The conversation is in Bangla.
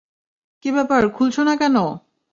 কী ব্যাপার, খুলছে না কেন!